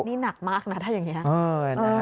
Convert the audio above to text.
นี่หนักมากนะถ้าอย่างนี้